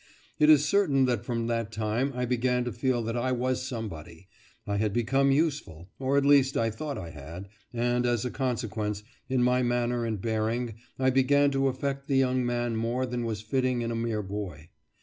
It is certain that from that time I began to feel that I was somebody. I had become useful, or at least I thought I had, and, as a consequence, in my manner and bearing I began to affect the young man more than was fitting in a mere boy.